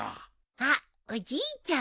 あっおじいちゃん。